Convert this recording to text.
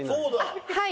はい！